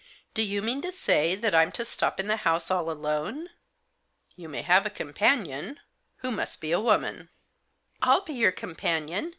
Do you mean to say that I'm to stop in the house all alone ?" "You may have a companion— who must be a woman." " I'll be your companion